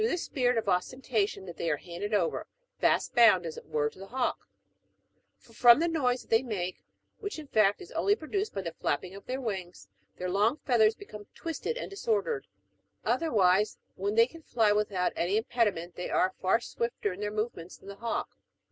519 this spirit of ostentation that they are handed over, fast bound as it were, to the hawk ; for from the noise that they make, which, in fact, is only produced by the flapping ot their wings, their long feathers become twisted and disordered : otherwise, when they can fly without any impediment, they are far swifter in their movements than the hawk.